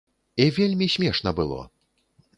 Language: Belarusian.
І вельмі смешна было!